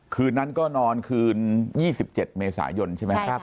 คืนนั้นก็นอนคืน๒๗เมษายนใช่ไหม